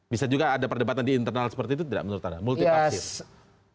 bisa juga ada perdebatan di internal seperti itu tidak menurut anda multi tafsir